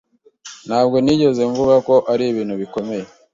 Ntabwo nigeze mvuga ko ari ibintu bikomeye.